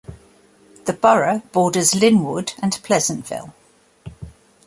The borough borders Linwood and Pleasantville.